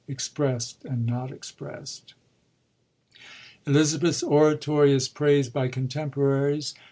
Expressed, and not expressed' Elizabeth's oratory is praisd by contemporaries.